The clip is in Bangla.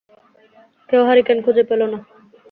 কেউ হারিকেন খুঁজে পেল না।